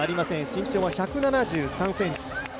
身長は１７３ｃｍ